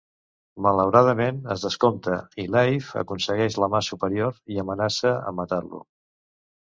Malauradament, es descompta i Lehiff aconsegueix la mà superior i amenaça amb matar-lo.